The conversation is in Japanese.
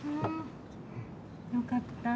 良かった。